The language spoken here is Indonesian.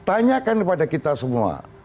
tanyakan kepada kita semua